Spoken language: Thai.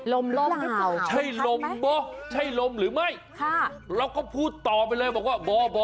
ลมล้มหรือเปล่าใช่ลมบ่ใช่ลมหรือไม่ค่ะเราก็พูดต่อไปเลยบอกว่าบ่อบ่